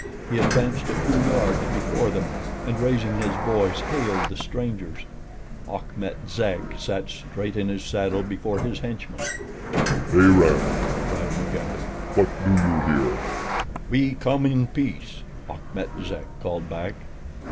He advanced a few yards before them and raising his voice hailed the strangers. Achmet Zek sat straight in his saddle before his henchmen. "Arab!" cried Mugambi. "What do you here?" "We come in peace," Achmet Zek called back.